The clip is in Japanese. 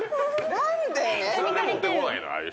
何で持ってこないの？